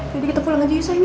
jadi kita pulang aja yuk sayang